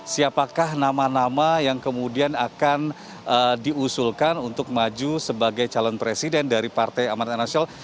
siapakah nama nama yang kemudian akan diusulkan untuk maju sebagai calon presiden dari partai amanat nasional